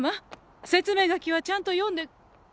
説明書きはちゃんと読んで。